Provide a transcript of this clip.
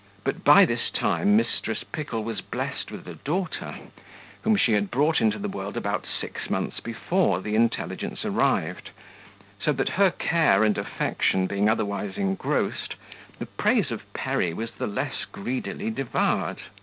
But by this time Mrs. Pickle was blessed with a daughter, whom she had brought into the world about six months before the intelligence arrived; so that her care and affection being otherwise engrossed, the praise of Perry was the less greedily devoured.